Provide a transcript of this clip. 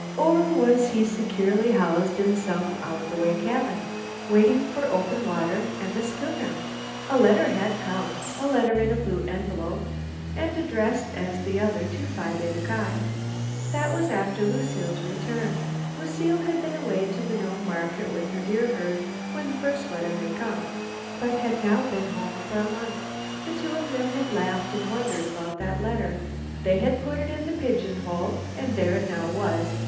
Or was he securely housed in some out of the way cabin, waiting for open water and a schooner? A letter had come, a letter in a blue envelope, and addressed as the other to Phi Beta Ki. That was after Lucile's return. Lucile had been away to the Nome market with her deer herd when the first letter had come, but had now been home for a month. The two of them had laughed and wondered about that letter. They had put it in the pigeon hole, and there it now was.